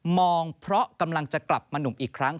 เพราะกำลังจะกลับมาหนุ่มอีกครั้ง